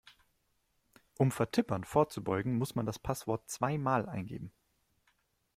Um Vertippern vorzubeugen, muss man das Passwort zweimal eingeben.